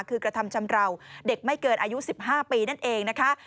คือกระทำชำราวเด็กไม่เกินอายุ๑๕ปีนั่นเองนะคะ